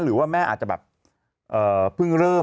หรือแม่พึ่งเริ่ม